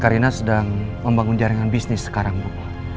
karena sedang membangun jaringan bisnis sekarang bu